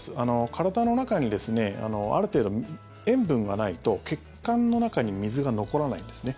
体の中にある程度、塩分がないと血管の中に水が残らないんですね。